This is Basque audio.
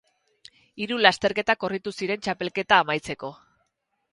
Hiru lasterketa korritu ziren txapelketa amaitzeko.